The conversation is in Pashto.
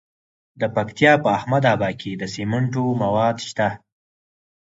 د پکتیا په احمد اباد کې د سمنټو مواد شته.